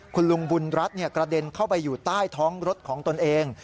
คุณลุงบุญรัฐกระเด็นเข้าไปอยู่ใต้ท้องรถของตนเอง